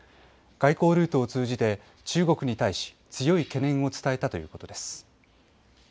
外交ルートを通じて中国に対し強い懸念を伝えたということです。